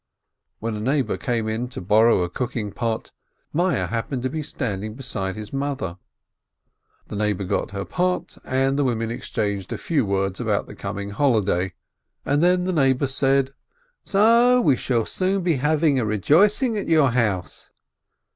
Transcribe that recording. When a neighbor came in to borrow a cook ing pot, Meyerl happened to be standing beside his mother. The neighbor got her pot, the women ex changed a few words about the coming holiday, and then the neighbor said, "So we shall soon be having a rejoi cing at your house?"